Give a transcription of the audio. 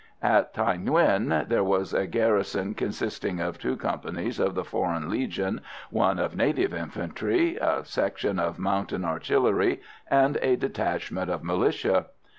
In Thaï Nguyen there was a garrison consisting of two companies of the Foreign Legion, one of native infantry, a section of mountain artillery, and a detachment of militia.